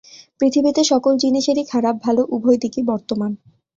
পৃথিবীতে সকল জিনিসেরই খারাপ ভালো উভয় দিকই বর্তমান।